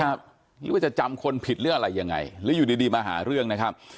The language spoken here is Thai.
หรือว่าจะจำคนผิดหรืออะไรยังไงหรืออยู่ดีดีมาหาเรื่องนะครับ